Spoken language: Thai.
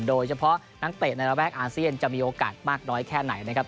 โดยเฉพาะนักเตะในระแวกอาเซียนจะมีโอกาสมากน้อยแค่ไหนนะครับ